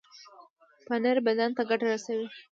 پنېر بدن ته ګټه رسوي.